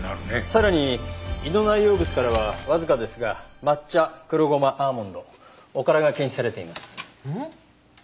さらに胃の内容物からはわずかですが抹茶黒ゴマアーモンドおからが検出されています。